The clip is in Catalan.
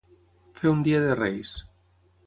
Fer un dia de reis.